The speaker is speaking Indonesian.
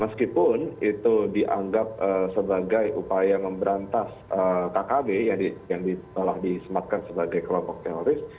meskipun itu dianggap sebagai upaya memberantas kkb yang telah disematkan sebagai kelompok teroris